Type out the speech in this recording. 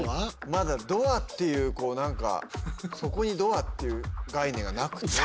まだドアっていうこう何かドアという概念がない。